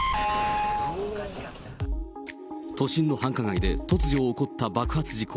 都心の繁華街で突如起こった爆発事故。